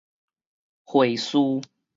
繪士